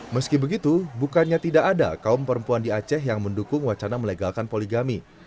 meski begitu bukannya tidak ada kaum perempuan di aceh yang mendukung wacana melegalkan poligami